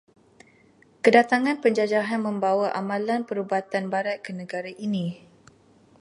Kedatangan penjajahan membawa amalan perubatan barat ke negara ini.